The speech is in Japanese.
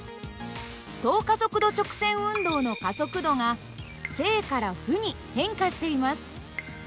等加速度直線運動の加速度が正から負に変化しています。